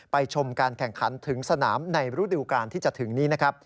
ไปชมการแข่งขันถึงสนามในรูดิวการที่จะถึงนี้